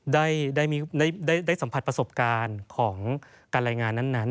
ได้สัมผัสประสบการณ์ของการรายงานนั้น